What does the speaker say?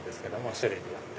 種類によって。